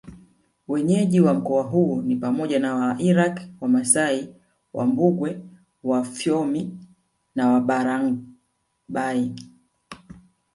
Wenyeji wa mkoa huu ni pamoja na Wairaqw Wamasai Wambugwe Wafyomi na Wabarbaig